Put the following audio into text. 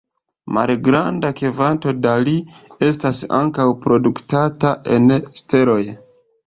Malgranda kvanto da Li estas ankaŭ produktata en steloj.